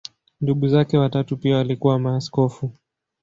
Ndugu zake watatu pia walikuwa maaskofu.